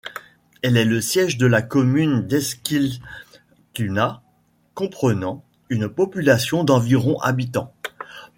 Elle est le siège de la commune d'Eskilstuna, comprenant une population d'environ habitants.